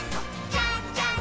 じゃんじゃん！